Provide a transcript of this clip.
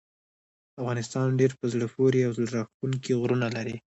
افغانستان ډیر په زړه پورې او زړه راښکونکي غرونه لري.